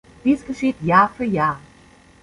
Dies geschieht Jahr für Jahr.